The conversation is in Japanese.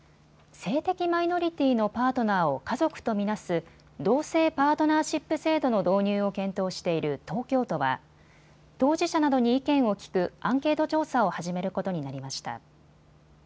性的マイノリティーのパートナーを家族と見なす同性パートナーシップ制度の導入を検討している東京都は当事者などに意見を聞く、アンケート調査を始めることになりました。